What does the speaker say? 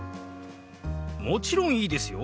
もちろんいいですよ！